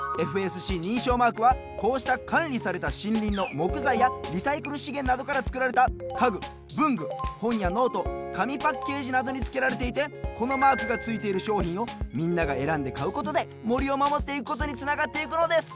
ＦＳＣにんしょうマークはこうしたかんりされたしんりんのもくざいやリサイクルしげんなどからつくられたかぐぶんぐほんやノートかみパッケージなどにつけられていてこのマークがついているしょうひんをみんながえらんでかうことでもりをまもっていくことにつながっていくのです。